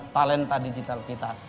talenta digital kita